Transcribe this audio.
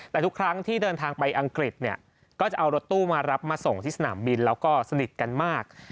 แต่ทุกครั้งที่เดินทางไปอังกฤษเนี่ยก็จะเอารถตู้มารับมาส่งที่สนามบินแล้วก็สนิทกันมาก